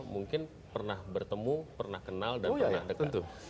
mungkin pernah bertemu pernah kenal dan pernah dekat